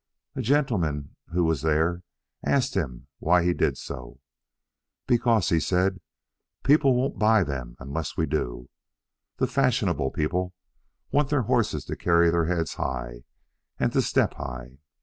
A gentleman who was there asked him why he did so. 'Because,' said he, 'people won't buy them unless we do. The fashionable people want their horses to carry their heads high and to step high.